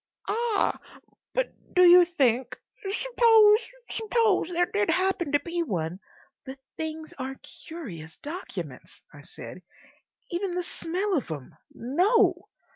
"Ah!... But do you think—? Suppose—suppose there did happen to be one—" "The things are curious documents," I said. "Even the smell of 'em.... No!"